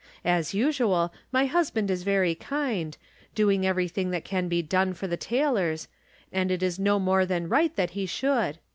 As usual, my husband is very kind, doing everything that can be done for the Taylors, and it is no more than right that he should.